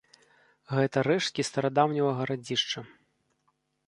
Гэта рэшткі старадаўняга гарадзішча.